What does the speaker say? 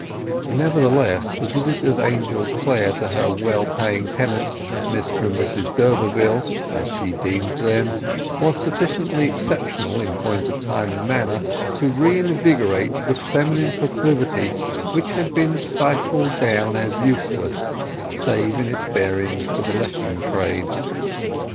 Nevertheless, the visit of Angel Clare to her well paying tenants, Mr and Mrs d'Urberville, as she deemed them, was sufficiently exceptional in point of time and manner to reinvigorate the feminine proclivity which had been stifled down as useless save in its bearings to the letting trade.